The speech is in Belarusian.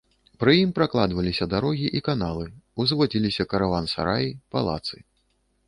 Пры ім пракладваліся дарогі і каналы, узводзіліся караван-сараі, палацы.